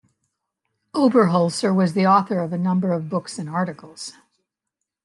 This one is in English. Oberholser was the author of a number of books and articles.